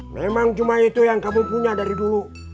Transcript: memang cuma itu yang kamu punya dari dulu